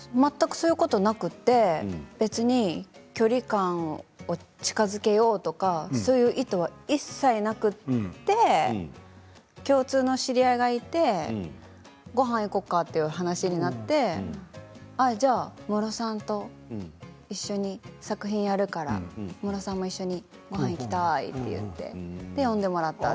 全くなくて別に距離感を近づけようとかそういう意図は一切なく共通の知り合いがいてごはんに行こうかということになってそれじゃあムロさんと一緒に作品をやるからムロさんも一緒にごはんに行きたいと言って呼んでもらいました。